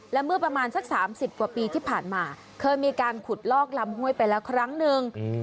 และเมื่อประมาณสัก๓๐กว่าปีที่ผ่านมาเคยมีการขุดลอกลำห้วยไปแล้วครั้งหนึ่ง